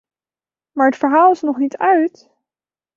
Maar het verhaal is nog niet uit!